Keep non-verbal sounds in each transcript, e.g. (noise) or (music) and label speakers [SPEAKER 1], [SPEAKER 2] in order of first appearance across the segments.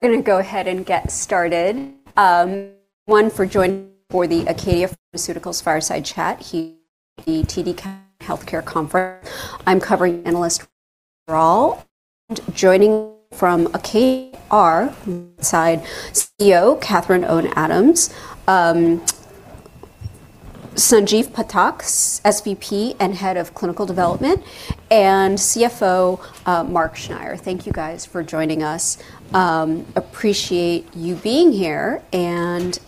[SPEAKER 1] I'm gonna go ahead and get started. One for joining for the ACADIA Pharmaceuticals Fireside Chat here at the TD Health Care Conference. I'm covering analyst, Rawl, and joining from ACADIA's side, CEO, Catherine Owen Adams, Sanjeev Pathak, SVP and Head of Clinical Development, and CFO, Mark Schneyer. Thank you guys for joining us. Appreciate you being here and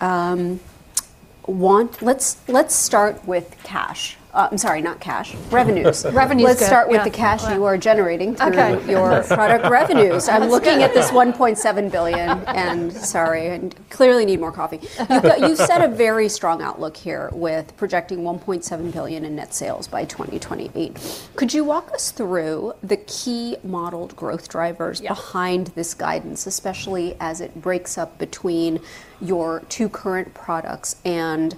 [SPEAKER 1] Let's start with cash. I'm sorry, not cash, revenues.
[SPEAKER 2] Revenues good. Yeah.
[SPEAKER 1] Let's start with the cash you are generating through.
[SPEAKER 2] Okay.
[SPEAKER 1] Your product revenues.
[SPEAKER 2] That's good.
[SPEAKER 1] I'm looking at this $1.7 billion, and sorry, and clearly need more coffee. You've set a very strong outlook here with projecting $1.7 billion in net sales by 2028. Could you walk us through the key modeled growth drivers?
[SPEAKER 2] Yeah
[SPEAKER 1] Behind this guidance, especially as it breaks up between your two current products and,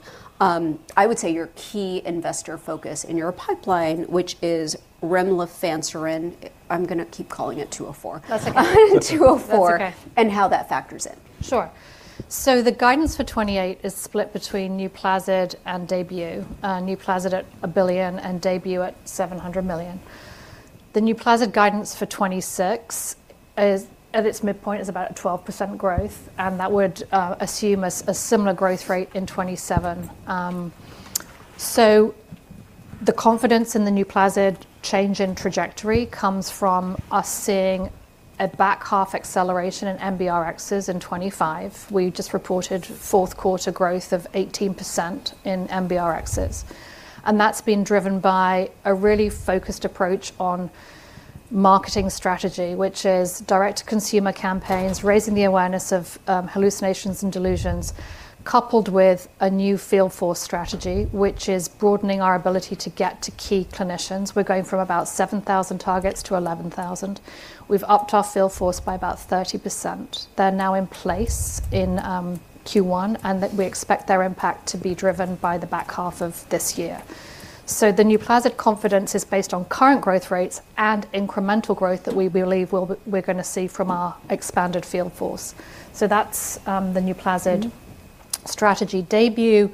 [SPEAKER 1] I would say your key investor focus in your pipeline, which is remlifanserin. I'm gonna keep calling it 204.
[SPEAKER 2] That's okay.
[SPEAKER 1] 204.
[SPEAKER 2] That's okay.
[SPEAKER 1] And how that factors in.
[SPEAKER 2] Sure. The guidance for 2028 is split between NUPLAZID and DAYBUE. NUPLAZID at $1 billion and DAYBUE at $700 million. The NUPLAZID guidance for 2026 is, at its midpoint, is about a 12% growth, and that would assume a similar growth rate in 2027. The confidence in the NUPLAZID change in trajectory comes from us seeing a back half acceleration in MBRXs in 2025. We just reported fourth quarter growth of 18% in MBRXs. That's been driven by a really focused approach on marketing strategy, which is direct consumer campaigns, raising the awareness of hallucinations and delusions, coupled with a new field force strategy, which is broadening our ability to get to key clinicians. We're going from about 7,000 targets to 11,000. We've upped our field force by about 30%.They're now in place in Q1, and that we expect their impact to be driven by the back half of this year. The NUPLAZID confidence is based on current growth rates and incremental growth that we believe we're gonna see from our expanded field force. That's the NUPLAZID.
[SPEAKER 1] Mm-hmm
[SPEAKER 2] Strategy. DAYBUE,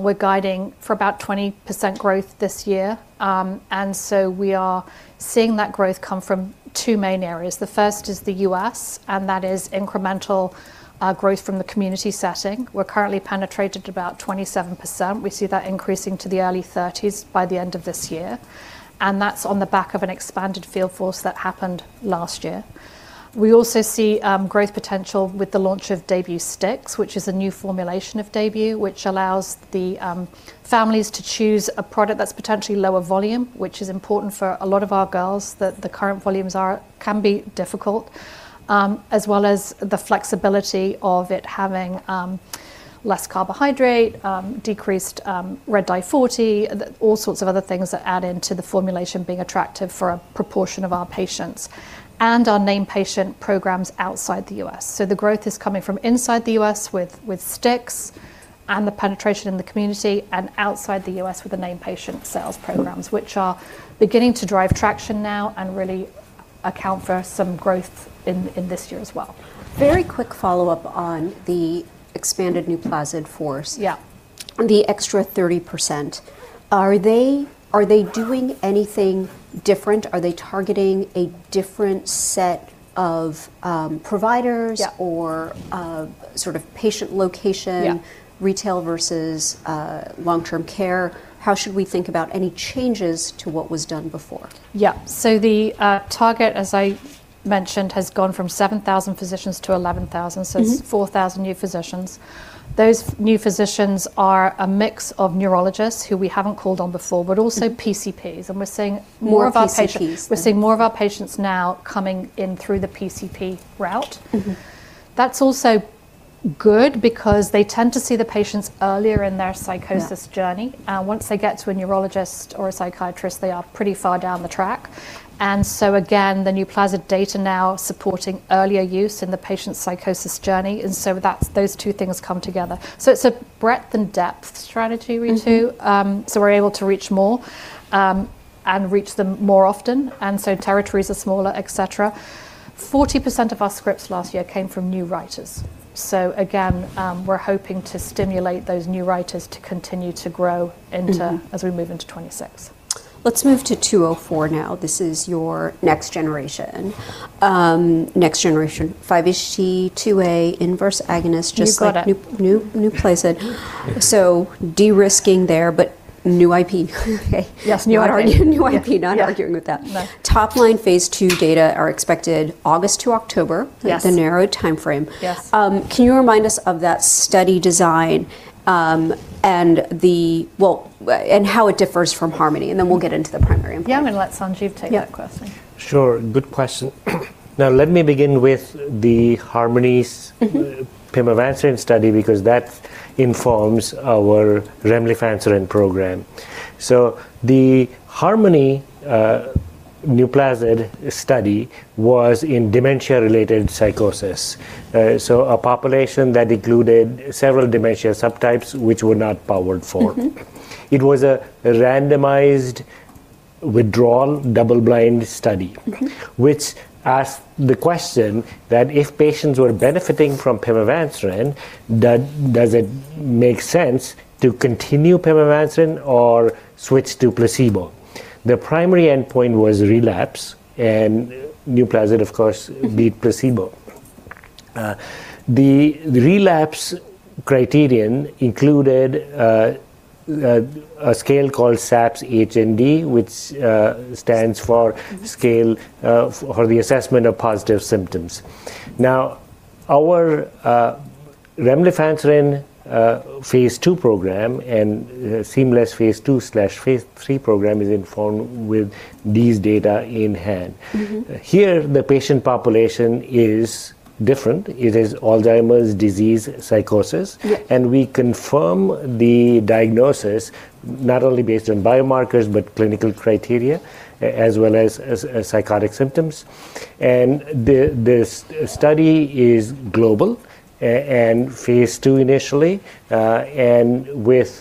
[SPEAKER 2] we're guiding for about 20% growth this year. We are seeing that growth come from two main areas. The first is the U.S., and that is incremental growth from the community setting. We're currently penetrated about 27%. We see that increasing to the early 30s by the end of this year, and that's on the back of an expanded field force that happened last year. We also see growth potential with the launch of DAYBUE STIX, which is a new formulation of DAYBUE, which allows the families to choose a product that's potentially lower volume, which is important for a lot of our girls that the current volumes can be difficult, as well as the flexibility of it having less carbohydrate, decreased Red Dye 40, all sorts of other things that add into the formulation being attractive for a proportion of our patients, and our named patient programs outside the U.S. The growth is coming from inside the U.S. with STIX and the penetration in the community and outside the U.S. with the named patient sales programs, which are beginning to drive traction now and really account for some growth in this year as well.
[SPEAKER 1] Very quick follow-up on the expanded NUPLAZID force.
[SPEAKER 2] Yeah.
[SPEAKER 1] The extra 30%, are they doing anything different? Are they targeting a different set of providers?
[SPEAKER 2] Yeah
[SPEAKER 1] Or, sort of patient.
[SPEAKER 2] Yeah
[SPEAKER 1] Retail versus long-term care? How should we think about any changes to what was done before?
[SPEAKER 2] Yeah. The target, as I mentioned, has gone from 7,000 physicians to 11,000.
[SPEAKER 1] Mm-hmm
[SPEAKER 2] It's 4,000 new physicians. Those new physicians are a mix of neurologists who we haven't called on before, but also PCPs. We're seeing more of our patients. (crosstalk)
[SPEAKER 1] More PCPs. Yeah.
[SPEAKER 2] We're seeing more of our patients now coming in through the P.C.P. route.
[SPEAKER 1] Mm-hmm.
[SPEAKER 2] That's also good because they tend to see the patients earlier in their psychosis.
[SPEAKER 1] Yeah
[SPEAKER 2] Journey. Once they get to a neurologist or a psychiatrist, they are pretty far down the track. Again, the NUPLAZID data now supporting earlier use in the patient's psychosis journey, that's those two things come together. It's a breadth and depth strategy we do.
[SPEAKER 1] Mm-hmm.
[SPEAKER 2] We're able to reach more and reach them more often, and so territories are smaller, et cetera. 40% of our scripts last year came from new writers. We're hoping to stimulate those new writers to continue to grow.
[SPEAKER 1] Mm-hmm
[SPEAKER 2] As we move into 2026.
[SPEAKER 1] Let's move to 204 now. This is your next generation 5-HT2A inverse agonist.
[SPEAKER 2] You got it.
[SPEAKER 1] NUPLAZID. de-risking there, but new IP.
[SPEAKER 2] Yes, new IP.
[SPEAKER 1] New IP. Not arguing with that.
[SPEAKER 2] No.
[SPEAKER 1] Top line phase II data are expected August to October.
[SPEAKER 2] Yes.
[SPEAKER 1] It's a narrowed timeframe.
[SPEAKER 2] Yes.
[SPEAKER 1] Can you remind us of that study design, and the... Well, and how it differs from HARMONY, and then we'll get into the primary impact?
[SPEAKER 2] Yeah. I'm gonna let Sanjeev take that question.
[SPEAKER 1] Yeah.
[SPEAKER 3] Sure. Good question. Now let me begin with the HARMONY's pimavanserin study because that informs our remlifanserin program. The HARMONY NUPLAZID study was in dementia-related psychosis. A population that included several dementia subtypes, which were not powered for.
[SPEAKER 1] Mm-hmm.
[SPEAKER 3] It was a randomized withdrawal double-blind study.
[SPEAKER 1] Mm-hmm.
[SPEAKER 3] Which asks the question that if patients were benefiting from pimavanserin, does it make sense to continue pimavanserin or switch to placebo? The primary endpoint was relapse. NUPLAZID of course beat placebo. The relapse criterion included a scale called SAPS H+D, which stands for -
[SPEAKER 1] Mm-hmm
[SPEAKER 3] Scale for the assessment of positive symptoms. Our remlifanserin phase II program and seamless phase II/phase III program is informed with these data in hand.
[SPEAKER 1] Mm-hmm.
[SPEAKER 3] Here, the patient population is different. It is Alzheimer's disease psychosis.
[SPEAKER 1] Yeah.
[SPEAKER 3] We confirm the diagnosis not only based on biomarkers, but clinical criteria as well as psychotic symptoms. The study is global and phase II initially, and with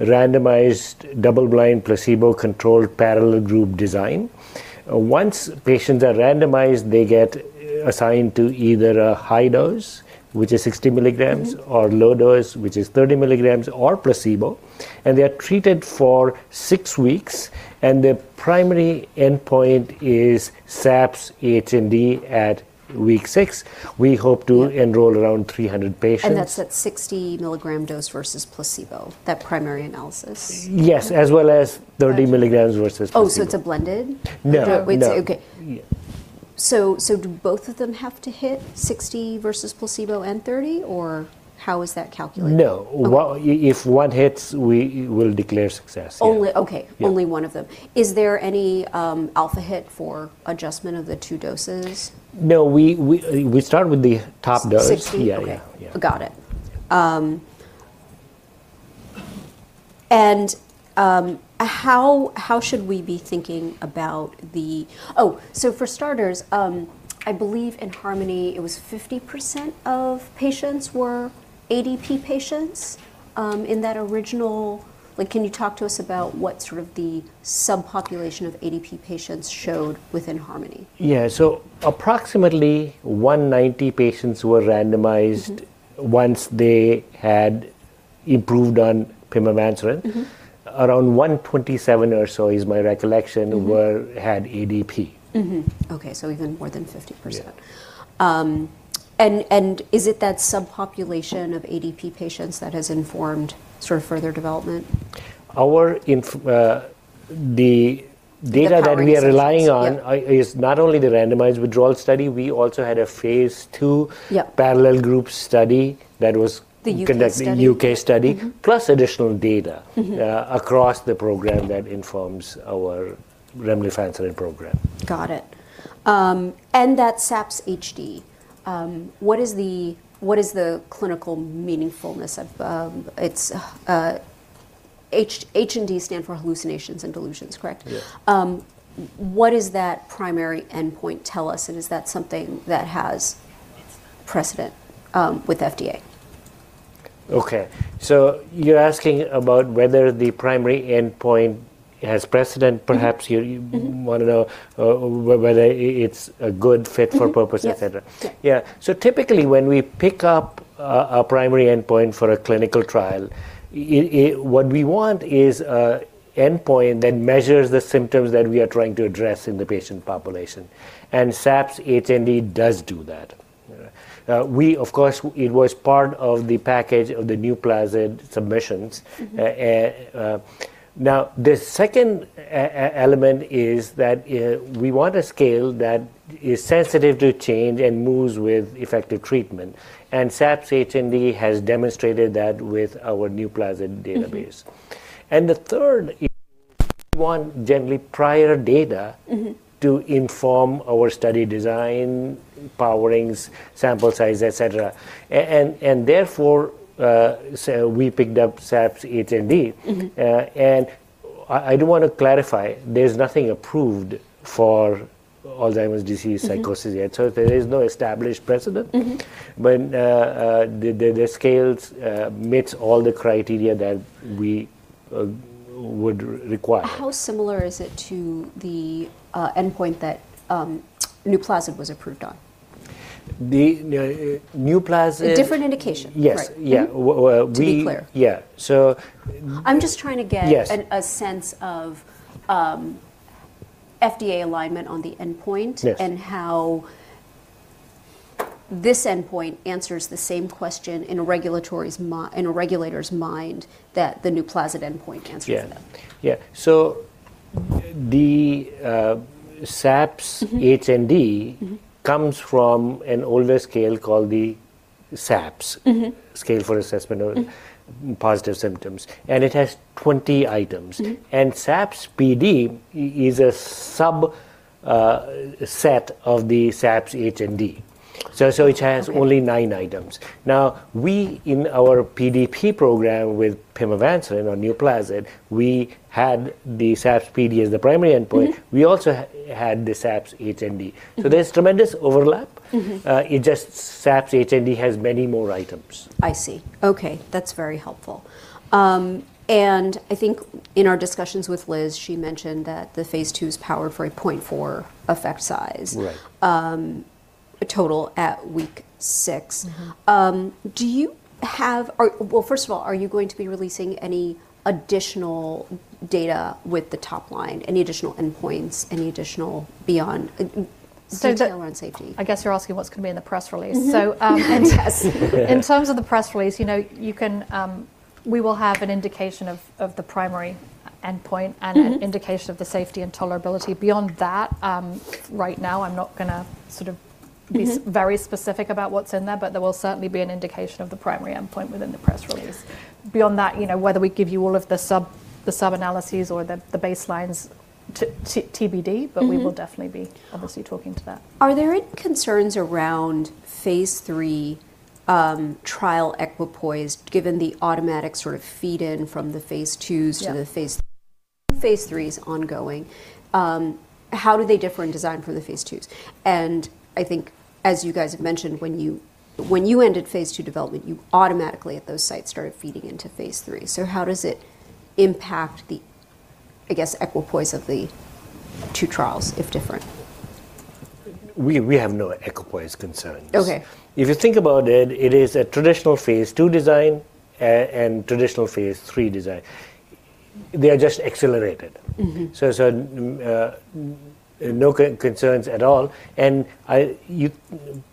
[SPEAKER 3] randomized double-blind placebo controlled parallel group design. Once patients are randomized, they get assigned to either a high dose, which is 60 milligrams or low dose, which is 30 milligrams or placebo, and they're treated for six weeks, and the primary endpoint is SAPS H+D at week six. We hope to enroll around 300 patients.
[SPEAKER 1] That's that 60-milligram dose versus placebo, that primary analysis?
[SPEAKER 3] Yes. As well as 30 milligrams versus (crosstalk) placebo.
[SPEAKER 1] Oh, it's a blended?
[SPEAKER 3] No.
[SPEAKER 1] Wait. Okay.
[SPEAKER 3] Yeah.
[SPEAKER 1] Do both of them have to hit 60 versus placebo and 30, or how is that calculated?
[SPEAKER 3] No.
[SPEAKER 1] Okay.
[SPEAKER 3] Well, if one hits, we will declare success.
[SPEAKER 1] Only one of them. Is there any alpha hit for adjustment of the two doses?
[SPEAKER 3] No. We start with the top dose.
[SPEAKER 1] Si-sixty?
[SPEAKER 3] Yeah.
[SPEAKER 1] Okay. Got it. For starters, I believe in HARMONY it was 50% of patients were ADP patients in that original... Like, can you talk to us about what sort of the subpopulation of ADP patients showed within HARMONY?
[SPEAKER 3] Yeah. Approximately 190 patients were randomized.
[SPEAKER 1] Mm-hmm
[SPEAKER 3] Once they had improved on pimavanserin.
[SPEAKER 1] Mm-hmm.
[SPEAKER 3] Around 127 or so is my recollection.
[SPEAKER 1] Mm-hmm
[SPEAKER 3] Had ADP.
[SPEAKER 1] Mm-hmm. Okay. even more than 50%.
[SPEAKER 3] Yeah.
[SPEAKER 1] And is it that subpopulation of ADP patients that has informed sort of further development?
[SPEAKER 3] The data that (crosstalk)
[SPEAKER 1] The powering studies. Yeah.
[SPEAKER 3] We are relying on, is not only the randomized withdrawal study, we also had a phase II-
[SPEAKER 1] Yeah
[SPEAKER 3] Parallel group study that was. (crosstalk)
[SPEAKER 1] The U.K. study.
[SPEAKER 3] Plus additional data.
[SPEAKER 1] Mm-hmm
[SPEAKER 3] Across the program that informs our remlifanserin program.
[SPEAKER 1] Got it. That SAPS HD, what is the clinical meaningfulness of its? H+D stand for hallucinations and delusions, correct?
[SPEAKER 3] Yeah.
[SPEAKER 1] What does that primary endpoint tell us, and is that something that has precedent with FDA?
[SPEAKER 3] Okay. You're asking about whether the primary endpoint has precedent.
[SPEAKER 1] Mm-hmm.
[SPEAKER 3] Perhaps you.
[SPEAKER 1] Mm-hmm
[SPEAKER 3] Wanna know, whether it's a good fit for purpose et cetera.
[SPEAKER 1] Yes. Okay.
[SPEAKER 3] Typically when we pick up a primary endpoint for a clinical trial, what we want is a endpoint that measures the symptoms that we are trying to address in the patient population, and SAPS-H+D does do that. We of course, it was part of the package of the NUPLAZID submissions.
[SPEAKER 1] Mm-hmm.
[SPEAKER 3] Now, the second element is that, we want a scale that is sensitive to change and moves with effective treatment, and SAPS-H+D has demonstrated that with our NUPLAZID database.
[SPEAKER 1] Mm-hmm.
[SPEAKER 3] The third, we want generally prior data-
[SPEAKER 1] Mm-hmm
[SPEAKER 3] To inform our study design, powerings, sample size, et cetera. Therefore, we picked up SAPS-H+D.
[SPEAKER 1] Mm-hmm.
[SPEAKER 3] I do wanna clarify, there's nothing approved for Alzheimer's disease psychosis yet.
[SPEAKER 1] Mm-hmm.
[SPEAKER 3] There is no established precedent.
[SPEAKER 1] Mm-hmm.
[SPEAKER 3] The scales meet all the criteria that we would require.
[SPEAKER 1] How similar is it to the endpoint that NUPLAZID was approved on?
[SPEAKER 3] The NUPLAZID
[SPEAKER 1] A different indication.
[SPEAKER 3] Right.
[SPEAKER 1] To be clear.
[SPEAKER 3] Yeah.
[SPEAKER 1] I'm just trying to get-
[SPEAKER 3] Yes
[SPEAKER 1] A sense of FDA alignment on the endpoint.
[SPEAKER 3] Yes
[SPEAKER 1] And how this endpoint answers the same question in a regulator's mind that the NUPLAZID endpoint answers that.
[SPEAKER 3] Yeah. Yeah. The SAPS.
[SPEAKER 1] Mm-hmm
[SPEAKER 3] H+D-
[SPEAKER 1] Mm-hmm
[SPEAKER 3] Comes from an older scale called the SAPS.
[SPEAKER 1] Mm-hmm.
[SPEAKER 3] Scale for Assessment of.
[SPEAKER 1] Mm-hmm
[SPEAKER 3] Positive symptoms, and it has 20 items.
[SPEAKER 1] Mm-hmm.
[SPEAKER 3] SAPS-PD is a subset of the SAPS H+D. It has-Okay... only nine items. We in our PDP program with pimavanserin or NUPLAZID, we had the SAPS-PD as the primary endpoint.
[SPEAKER 1] Mm-hmm.
[SPEAKER 3] We also had the SAPS H+D.
[SPEAKER 1] Mm-hmm.
[SPEAKER 3] There's tremendous overlap.
[SPEAKER 1] Mm-hmm.
[SPEAKER 3] It just SAPS-H+D has many more items.
[SPEAKER 1] I see. Okay. That's very helpful. I think in our discussions with Liz, she mentioned that the phase II is powered for a 0.4 effect size.
[SPEAKER 3] Right.
[SPEAKER 1] A total at week six.
[SPEAKER 2] Mm-hmm.
[SPEAKER 1] Well, first of all, are you going to be releasing any additional data with the top line? Any additional endpoints? Any additional.
[SPEAKER 2] I guess you're asking what's gonna be in the press release.
[SPEAKER 1] Mm-hmm.
[SPEAKER 2] In terms of the press release, you know, you can, we will have an indication of the primary endpoint.
[SPEAKER 1] Mm-hmm
[SPEAKER 2] An indication of the safety and tolerability. Beyond that, right now I'm not gonna sort of.
[SPEAKER 1] Mm-hmm
[SPEAKER 2] Very specific about what's in there, but there will certainly be an indication of the primary endpoint within the press release. Beyond that, you know, whether we give you all of the sub-analyses or the baselines, TBD.
[SPEAKER 1] Mm-hmm
[SPEAKER 2] We will definitely be obviously talking to that.
[SPEAKER 1] Are there any concerns around phase III, trial equipoise, given the automatic sort of feed in from the phase IIs?
[SPEAKER 2] Yeah
[SPEAKER 1] To the phase IIIs ongoing? How do they differ in design from the phase IIs? I think as you guys have mentioned, when you ended phase II development, you automatically at those sites started feeding into phase III. How does it impact the, I guess, equipoise of the two trials, if different?
[SPEAKER 3] We have no equipoise concerns.
[SPEAKER 1] Okay.
[SPEAKER 3] If you think about it is a traditional phase II design and traditional phase III design. They are just accelerated.
[SPEAKER 1] Mm-hmm.
[SPEAKER 3] No concerns at all. I, you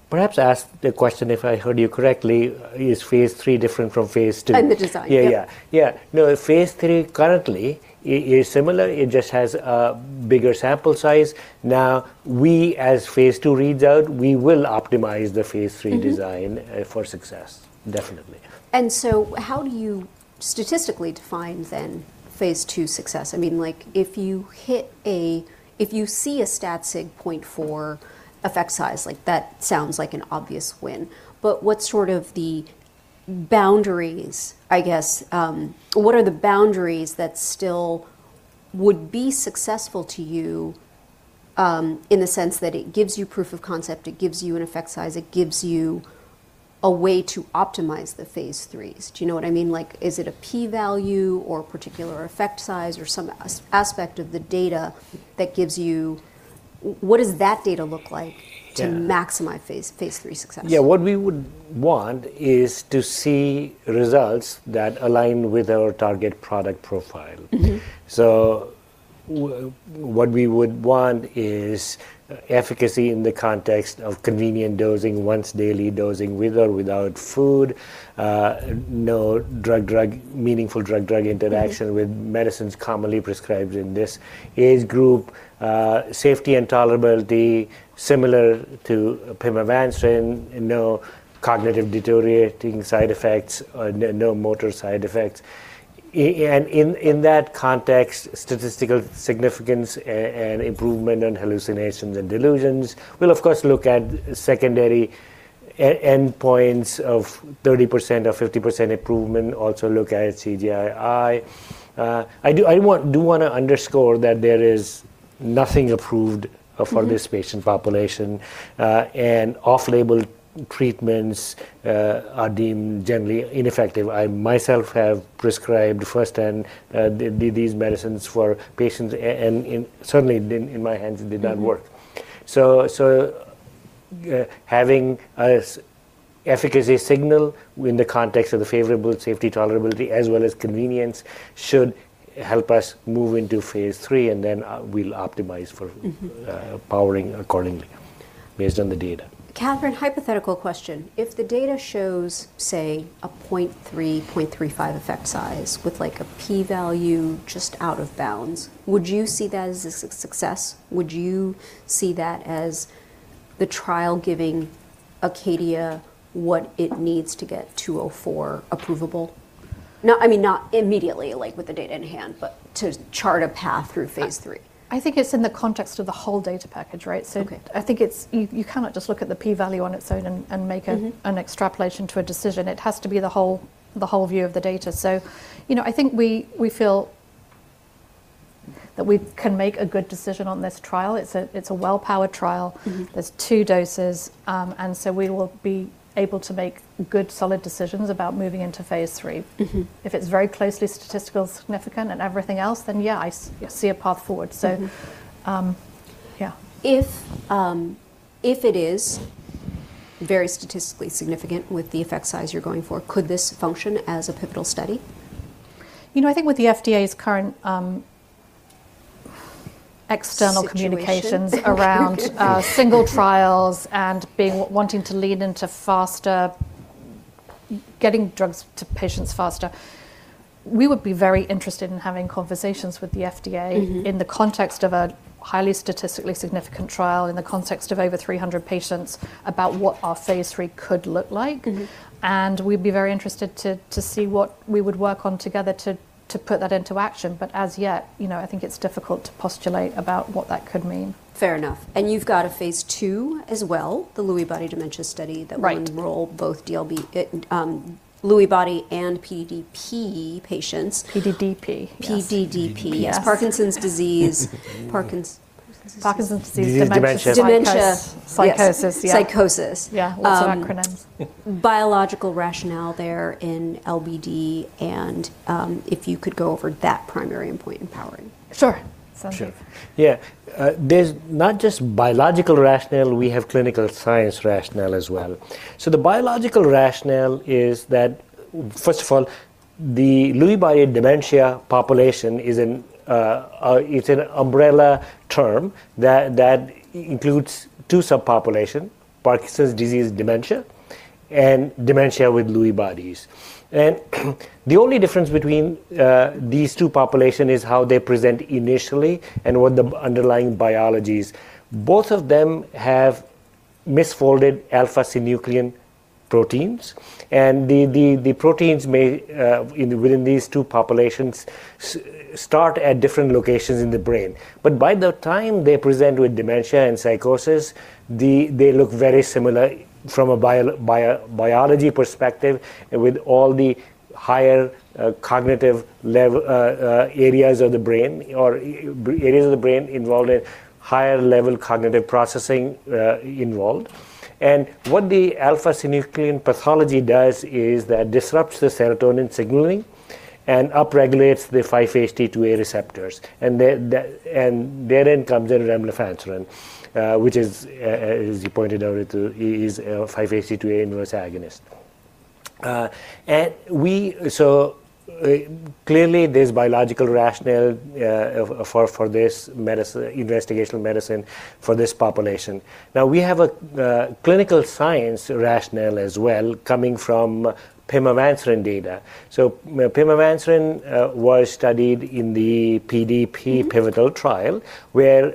[SPEAKER 3] perhaps asked the question, if I heard you correctly, is phase III different from phase II?
[SPEAKER 1] In the design, yeah.
[SPEAKER 3] Yeah, yeah. Yeah. No, phase III currently is similar. It just has a bigger sample size. Now, we as phase II reads out, we will optimize the phase III design.
[SPEAKER 1] Mm-hmm
[SPEAKER 3] For success. Definitely.
[SPEAKER 1] How do you statistically define then phase II success? I mean, like, if you see a stat sig 0.4 effect size, like, that sounds like an obvious win. What's sort of the boundaries, I guess, what are the boundaries that still would be successful to you, in the sense that it gives you proof of concept, it gives you an effect size, it gives you a way to optimize the phase IIIs? Do you know what I mean? Like, is it a P value or a particular effect size or some aspect of the data that gives you? What does that data look like?
[SPEAKER 3] Yeah
[SPEAKER 1] To maximize phase III success?
[SPEAKER 3] Yeah, what we would want is to see results that align with our target product profile.
[SPEAKER 1] Mm-hmm.
[SPEAKER 3] What we would want is efficacy in the context of convenient dosing, once daily dosing, with or without food, no meaningful drug-drug interaction-
[SPEAKER 1] Mm-hmm
[SPEAKER 3] With medicines commonly prescribed in this age group. Safety and tolerability similar to pimavanserin, no cognitive deteriorating side effects, no motor side effects. In that context, statistical significance and improvement in hallucinations and delusions. We'll of course look at secondary endpoints of 30% or 50% improvement, also look at CGI-I. I do wanna underscore that there is nothing approved...
[SPEAKER 1] Mm-hmm
[SPEAKER 3] For this patient population. off-label treatments are deemed generally ineffective. I myself have prescribed first-hand, these medicines for patients and in, certainly in my hands it did not work. Having a efficacy signal in the context of the favorable safety tolerability as well as convenience should help us move into phase III, and then, we'll optimize.
[SPEAKER 1] Mm-hmm
[SPEAKER 3] Powering accordingly based on the data.
[SPEAKER 1] Catherine, hypothetical question. If the data shows, say, a 0.3, 0.35 effect size with like a P value just out of bounds, would you see that as a success? Would you see that as the trial giving ACADIA what it needs to get 204 approvable? Not, I mean, not immediately, like with the data in hand, but to chart a path through phase III.
[SPEAKER 2] I think it's in the context of the whole data package, right? Okay I think it's, you cannot just look at the P value on its own and make.
[SPEAKER 1] Mm-hmm
[SPEAKER 2] An extrapolation to a decision. It has to be the whole view of the data. You know, I think we feel that we can make a good decision on this trial. It's a, it's a well-powered trial.
[SPEAKER 1] Mm-hmm.
[SPEAKER 2] There's two doses. We will be able to make good solid decisions about moving into phase III.
[SPEAKER 1] Mm-hmm.
[SPEAKER 2] If it's very closely statistically significant and everything else, then yeah.
[SPEAKER 1] Yeah
[SPEAKER 2] I see a path forward.
[SPEAKER 1] Mm-hmm.
[SPEAKER 2] Yeah.
[SPEAKER 1] If it is very statistically significant with the effect size you're going for, could this function as a pivotal study?
[SPEAKER 2] You know, I think with the FDA's current, external communications. (crosstalk)
[SPEAKER 1] Situation
[SPEAKER 2] Around, single trials and being, wanting to lean into faster, getting drugs to patients faster, we would be very interested in having conversations with the FDA.
[SPEAKER 1] Mm-hmm
[SPEAKER 2] In the context of a highly statistically significant trial, in the context of over 300 patients, about what our phase III could look like.
[SPEAKER 1] Mm-hmm.
[SPEAKER 2] We'd be very interested to see what we would work on together to put that into action. As yet, you know, I think it's difficult to postulate about what that could mean.
[SPEAKER 1] Fair enough. you've got a phase II as well, the Lewy Body Dementia study.
[SPEAKER 2] Right
[SPEAKER 1] That will enroll both DLB, Lewy Body and PDP patients.
[SPEAKER 2] PDDP, yes.
[SPEAKER 1] PDDP.
[SPEAKER 3] Yes.
[SPEAKER 1] It's Parkinson's disease.
[SPEAKER 2] Parkinson's disease...
[SPEAKER 3] Dementia
[SPEAKER 1] Dementia
[SPEAKER 2] Psychosis, yeah.
[SPEAKER 1] Psychosis.
[SPEAKER 2] Yeah. Lots of acronyms.
[SPEAKER 1] Biological rationale there in LBD and, if you could go over that primary endpoint in powering.
[SPEAKER 2] Sure.
[SPEAKER 3] Sure. Yeah. There's not just biological rationale, we have clinical science rationale as well. The biological rationale is that, first of all, the Lewy Body Dementia population is an, it's an umbrella term that includes two subpopulation, Parkinson's disease dementia and dementia with Lewy bodies. The only difference between these two population is how they present initially and what the underlying biology is. Both of them have misfolded alpha-synuclein proteins, and the proteins may, in, within these two populations start at different locations in the brain. By the time they present with dementia and psychosis, they look very similar from a biology perspective with all the higher, cognitive level, areas of the brain or areas of the brain involved at higher level cognitive processing, involved. What the alpha-synuclein pathology does is that disrupts the serotonin signaling and upregulates the 5-HT2A receptors. Therein comes the remlifanserin, which is, as you pointed out it to is a 5-HT2A inverse agonist. Clearly there's biological rationale for this investigational medicine for this population. Now we have the clinical science rationale as well coming from pimavanserin data. Pimavanserin was studied in the PDP.
[SPEAKER 1] Mm-hmm
[SPEAKER 3] Pivotal trial where.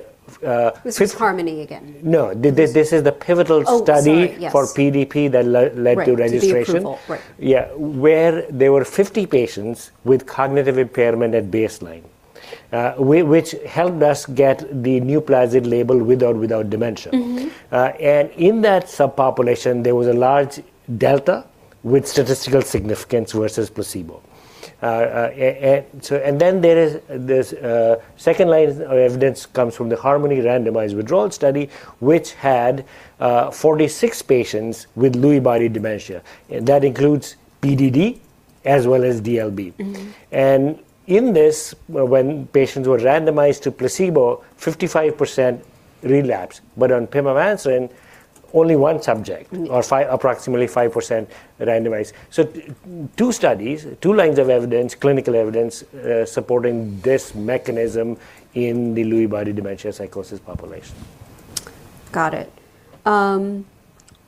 [SPEAKER 1] This is HARMONY again.
[SPEAKER 3] No. This is the pivotal study.
[SPEAKER 1] Oh, sorry. Yes
[SPEAKER 3] For PDP that led to registration.
[SPEAKER 1] Right, to the approval. Right.
[SPEAKER 3] Yeah. Where there were 50 patients with cognitive impairment at baseline, which helped us get the new NUPLAZID label with or without dementia.
[SPEAKER 1] Mm-hmm.
[SPEAKER 3] In that subpopulation, there was a large delta with statistical significance versus placebo. So... Then there is this second line of evidence comes from the HARMONY randomized withdrawal study, which had 46 patients with Lewy Body Dementia, and that includes PDD as well as DLB.
[SPEAKER 1] Mm-hmm.
[SPEAKER 3] In this, when patients were randomized to placebo, 55% relapsed. On pimavanserin, only one subject.
[SPEAKER 1] Mm-hmm
[SPEAKER 3] Or approximately 5% randomized. Two studies, two lines of evidence, clinical evidence, supporting this mechanism in the Lewy Body Dementia psychosis population.
[SPEAKER 1] Got it.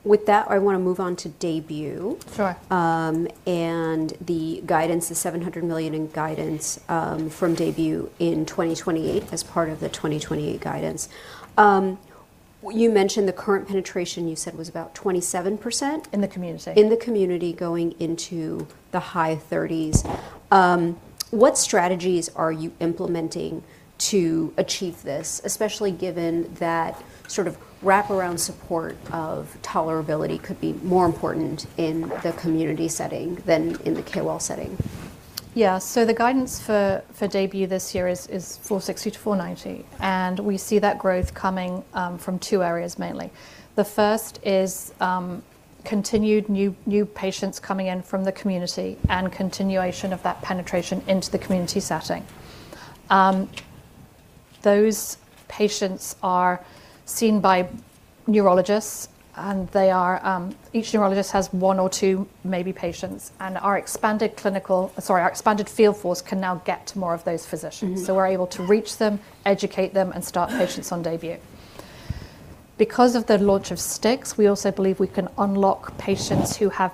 [SPEAKER 1] With that, I wanna move on to DAYBUE.
[SPEAKER 2] Sure.
[SPEAKER 1] The guidance, the $700 million in guidance, from DAYBUE in 2028 as part of the 2028 guidance. You mentioned the current penetration you said was about 27%.
[SPEAKER 2] In the community setting.
[SPEAKER 1] In the community going into the high 30s. What strategies are you implementing to achieve this, especially given that sort of wraparound support of tolerability could be more important in the community setting than in the KOL setting?
[SPEAKER 2] The guidance for DAYBUE this year is $460 million-$490 million. We see that growth coming from two areas mainly. The first is continued new patients coming in from the community and continuation of that penetration into the community setting. Those patients are seen by neurologists. Each neurologist has one or two maybe patients. Our expanded field force can now get to more of those physicians.
[SPEAKER 1] Mm-hmm.
[SPEAKER 2] We're able to reach them, educate them, and start patients on DAYBUE. Because of the launch of STIX, we also believe we can unlock patients who have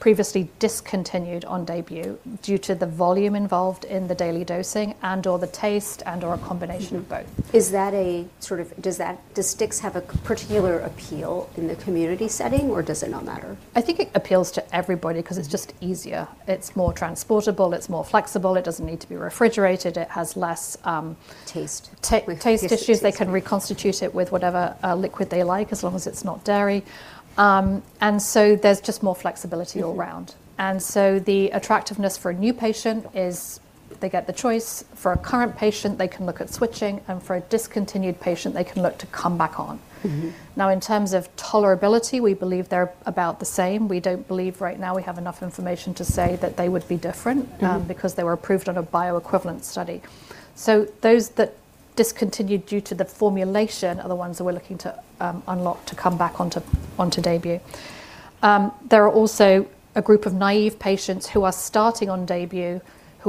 [SPEAKER 2] previously discontinued on DAYBUE due to the volume involved in the daily dosing and/or the taste and/or a combination of both.
[SPEAKER 1] Is that a sort of... Does STIX have a particular appeal in the community setting or does it not matter?
[SPEAKER 2] I think it appeals to everybody 'cause it's just easier. It's more transportable, it's more flexible, it doesn't need to be refrigerated, it has less.
[SPEAKER 1] Taste
[SPEAKER 2] Taste issues.
[SPEAKER 1] Yes. Taste.
[SPEAKER 2] They can reconstitute it with whatever liquid they like as long as it's not dairy. There's just more flexibility all around.
[SPEAKER 1] Mm-hmm.
[SPEAKER 2] The attractiveness for a new patient is they get the choice, for a current patient they can look at switching, and for a discontinued patient they can look to come back on.
[SPEAKER 1] Mm-hmm.
[SPEAKER 2] In terms of tolerability, we believe they're about the same. We don't believe right now we have enough information to say that they would be different.
[SPEAKER 1] Mm-hmm
[SPEAKER 2] Because they were approved on a bioequivalent study. Those that discontinued due to the formulation are the ones that we're looking to unlock to come back onto DAYBUE. There are also a group of naive patients who are starting on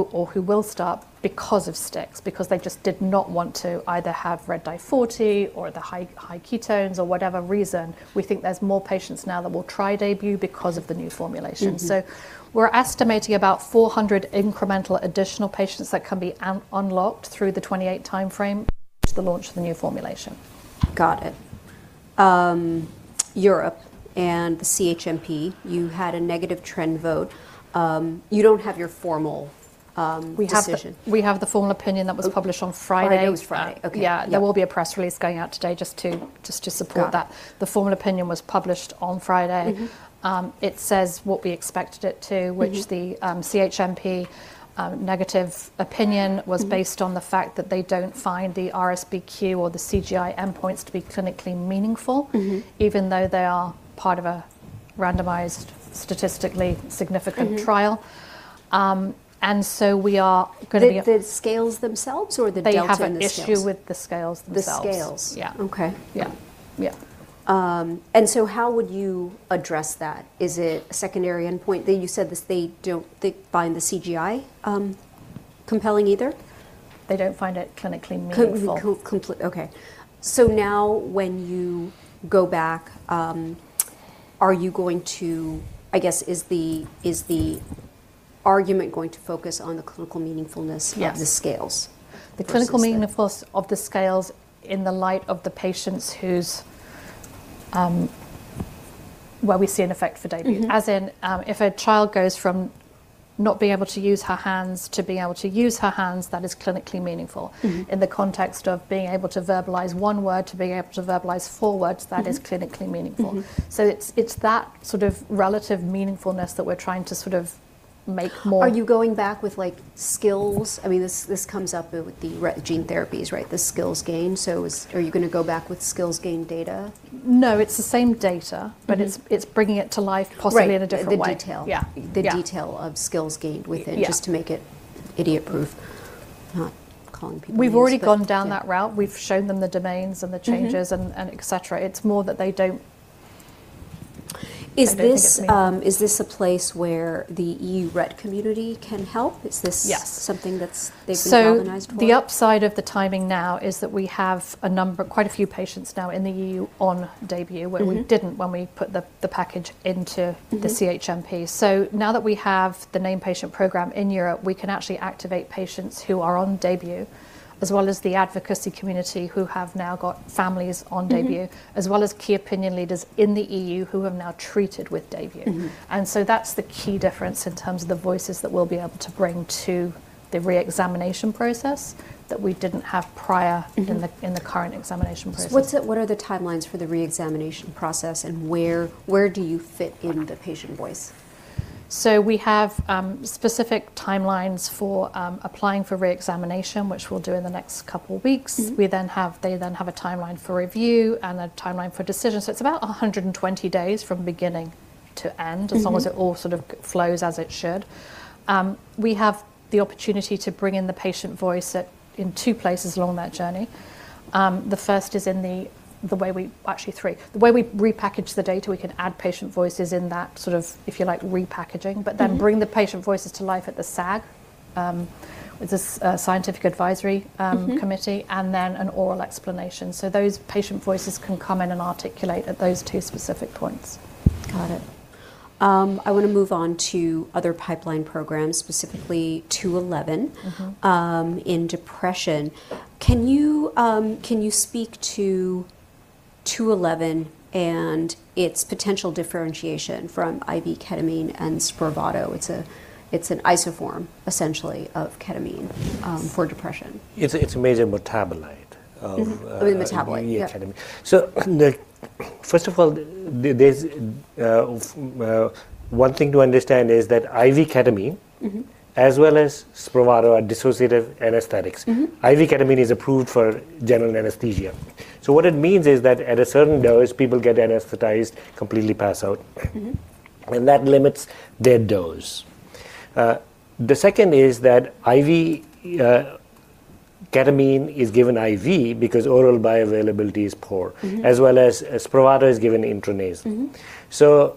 [SPEAKER 2] DAYBUE, who will start because of STIX, because they just did not want to either have Red Dye 40 or the high ketones or whatever reason. We think there's more patients now that will try DAYBUE because of the new formulation.
[SPEAKER 1] Mm-hmm.
[SPEAKER 2] We're estimating about 400 incremental additional patients that can be unlocked through the 2028 timeframe, which the launch of the new formulation.
[SPEAKER 1] Got it. Europe and the CHMP, you had a negative trend vote. You don't have your formal decision.
[SPEAKER 2] We have the formal opinion that was published on Friday.
[SPEAKER 1] Oh, it was Friday. Okay.
[SPEAKER 2] Yeah.
[SPEAKER 1] Yeah.
[SPEAKER 2] There will be a press release going out today just to support that.
[SPEAKER 1] Got it.
[SPEAKER 2] The formal opinion was published on Friday.
[SPEAKER 1] Mm-hmm.
[SPEAKER 2] It says what we expected it to-
[SPEAKER 1] Mm-hmm
[SPEAKER 2] Which the CHMP negative opinion.
[SPEAKER 1] Mm-hmm
[SPEAKER 2] Was based on the fact that they don't find the RSBQ or the CGI endpoints to be clinically meaningful.
[SPEAKER 1] Mm-hmm
[SPEAKER 2] Even though they are part of a randomized, statistically significant trial.
[SPEAKER 1] Mm-hmm
[SPEAKER 2] We are gonna be-
[SPEAKER 1] The scales themselves or the delta (crosstalk) in the scales?
[SPEAKER 2] They have an issue with the scales (crosstalk) themselves.
[SPEAKER 1] The scales.
[SPEAKER 2] Yeah.
[SPEAKER 1] Okay.
[SPEAKER 2] Yeah. Yeah.
[SPEAKER 1] How would you address that? Is it a secondary endpoint? you said this, They find the CGI compelling either?
[SPEAKER 2] They don't find it clinically meaningful.
[SPEAKER 1] Okay. Now when you go back, are you going to... I guess, is the argument going to focus on the clinical meaningfulness?
[SPEAKER 2] Yes
[SPEAKER 1] Of the scales?
[SPEAKER 2] The clinical meaningfulness of the scales in the light of the patients whose, where we see an effect for DAYBUE.
[SPEAKER 1] Mm-hmm.
[SPEAKER 2] As in, if a child goes from not being able to use her hands to being able to use her hands, that is clinically meaningful.
[SPEAKER 1] Mm-hmm.
[SPEAKER 2] In the context of being able to verbalize one word, to being able to verbalize four words.
[SPEAKER 1] Mm-hmm
[SPEAKER 2] That is clinically meaningful.
[SPEAKER 1] Mm-hmm.
[SPEAKER 2] It's that sort of relative meaningfulness that we're trying to sort of make more (crosstalk)
[SPEAKER 1] Are you going back with, like, skills? I mean, this comes up with the gene therapies, right? The skills gained. Are you gonna go back with skills gained data?
[SPEAKER 2] No, it's the same data but it's bringing it to life
[SPEAKER 1] Right
[SPEAKER 2] Possibly in a different way.
[SPEAKER 1] The detail.
[SPEAKER 2] Yeah. Yeah.
[SPEAKER 1] The detail of skills gained within. (crosstalk)
[SPEAKER 2] Yeah
[SPEAKER 1] Just to make it idiot-proof. Not calling people idiots, but-
[SPEAKER 2] We've already gone down that route. We've shown them the domains and the changes-
[SPEAKER 1] Mm-hmm
[SPEAKER 2] It's more that they don't...
[SPEAKER 1] Is this a place where the EU Rett community can help?
[SPEAKER 2] Yes
[SPEAKER 1] Something that's they've been organized for?
[SPEAKER 2] The upside of the timing now is that we have a number, quite a few patients now in the EU on DAYBUE.
[SPEAKER 1] Mm-hmm
[SPEAKER 2] Where we didn't when we put the package.
[SPEAKER 1] Mm-hmm
[SPEAKER 2] The CHMP. Now that we have the named patient program in Europe, we can actually activate patients who are on DAYBUE, as well as the advocacy community who have now got families on DAYBUE.
[SPEAKER 1] Mm-hmm
[SPEAKER 2] As well as key opinion leaders in the EU who have now treated with DAYBUE.
[SPEAKER 1] Mm-hmm.
[SPEAKER 2] That's the key difference in terms of the voices that we'll be able to bring to the reexamination process that we didn't have prior.
[SPEAKER 1] Mm-hmm
[SPEAKER 2] In the current examination process.
[SPEAKER 1] What are the timelines for the reexamination process, and where do you fit in the patient voice?
[SPEAKER 2] We have specific timelines for applying for reexamination, which we'll do in the next couple weeks.
[SPEAKER 1] Mm-hmm.
[SPEAKER 2] They then have a timeline for review and a timeline for decision. It's about 120 days from beginning to end.
[SPEAKER 1] Mm-hmm
[SPEAKER 2] As long as it all sort of flows as it should. We have the opportunity to bring in the patient voice at, in two places along that journey. The first is in the way we... Actually, three. The way we repackage the data, we can add patient voices in that sort of, if you like, repackaging-
[SPEAKER 1] Mm-hmm
[SPEAKER 2] Bring the patient voices to life at the SAG with this scientific advisory.
[SPEAKER 1] Mm-hmm
[SPEAKER 2] An oral explanation. Those patient voices can come in and articulate at those two specific points.
[SPEAKER 1] Got it. I wanna move on to other pipeline programs, specifically 211.
[SPEAKER 2] Mm-hmm.
[SPEAKER 1] In depression. Can you speak to 211 and its potential differentiation from IV ketamine and SPRAVATO? It's an isoform, essentially, of ketamine for depression.
[SPEAKER 3] It's a major metabolite of.
[SPEAKER 1] Mm-hmm. I mean, metabolite.
[SPEAKER 3] First of all, there's one thing to understand is that IV ketamine.
[SPEAKER 1] Mm-hmm
[SPEAKER 3] As well as SPRAVATO, are dissociative anesthetics.
[SPEAKER 1] Mm-hmm.
[SPEAKER 3] IV ketamine is approved for general anesthesia, so what it means is that at a certain dose, people get anesthetized, completely pass out.
[SPEAKER 1] Mm-hmm.
[SPEAKER 3] That limits their dose. The second is that IV, ketamine is given IV because oral bioavailability is poor.
[SPEAKER 1] Mm-hmm.
[SPEAKER 3] As well as SPRAVATO is given intranasal.
[SPEAKER 1] Mm-hmm.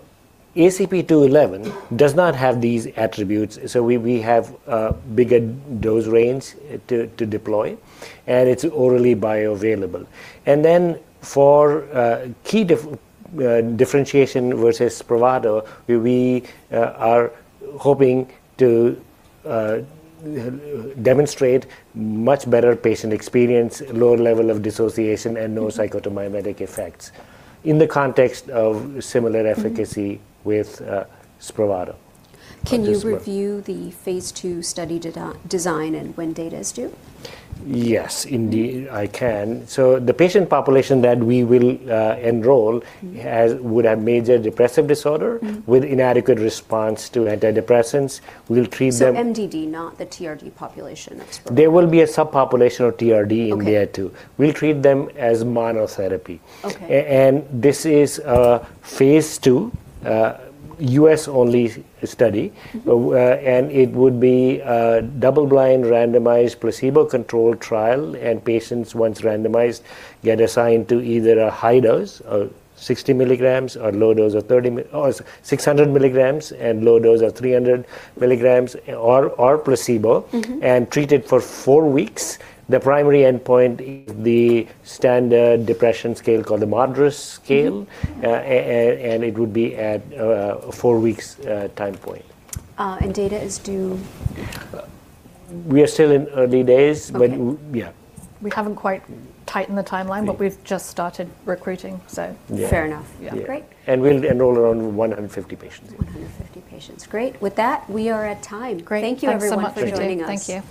[SPEAKER 3] ACP-211 does not have these attributes, so we have bigger dose range to deploy, and it's orally bioavailable. For key differentiation versus SPRAVATO, we are hoping to demonstrate much better patient experience, lower level of dissociation, and no psychotomimetic effects in the context of similar efficacy.
[SPEAKER 1] Mm-hmm
[SPEAKER 3] With SPRAVATO of this work.
[SPEAKER 1] Can you review the phase II study design and when data is due?
[SPEAKER 3] Yes, indeed, I can. The patient population that we will.
[SPEAKER 1] Mm-hmm
[SPEAKER 3] Would have major depressive disorder.
[SPEAKER 1] Mm-hmm
[SPEAKER 3] With inadequate response to antidepressants. We'll treat them-
[SPEAKER 1] MDD, not the TRD population of SPRAVATO.
[SPEAKER 3] There will be a subpopulation of TRD in there too.
[SPEAKER 1] Okay.
[SPEAKER 3] We'll treat them as monotherapy.
[SPEAKER 1] Okay.
[SPEAKER 3] This is a phase II, U.S.-only study.
[SPEAKER 1] Mm-hmm.
[SPEAKER 3] It would be a double-blind, randomized, placebo-controlled trial, and patients, once randomized, get assigned to either a high dose of 600 milligrams and low dose of 300 milligrams, or placebo.
[SPEAKER 1] Mm-hmm
[SPEAKER 3] And treated for four weeks. The primary endpoint is the standard depression scale called the MADRS scale.
[SPEAKER 1] Mm-hmm.
[SPEAKER 3] It would be at four weeks time point.
[SPEAKER 1] Data is due?
[SPEAKER 3] We are still in early days.
[SPEAKER 1] Okay
[SPEAKER 3] Yeah.
[SPEAKER 2] We haven't quite tightened the timeline.
[SPEAKER 3] Yeah
[SPEAKER 2] We've just started recruiting, so.
[SPEAKER 3] Yeah.
[SPEAKER 1] Fair enough.
[SPEAKER 2] Yeah.
[SPEAKER 1] Great.
[SPEAKER 3] We'll enroll around 150 patients.
[SPEAKER 1] 150 patients. Great. With that, we are at time.
[SPEAKER 2] Great. Thanks so much.
[SPEAKER 1] Thank you, everyone, for joining us.
[SPEAKER 2] Thank you.